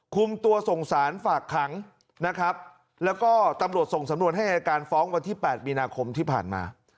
คุมตัวส่งสารฝากขังนะครับแล้วก็ตำรวจส่งสำนวนให้อายการฟ้องวันที่๘มีนาคมที่ผ่านมา